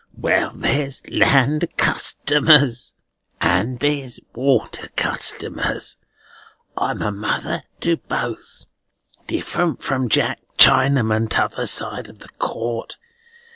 "Well, there's land customers, and there's water customers. I'm a mother to both. Different from Jack Chinaman t'other side the court.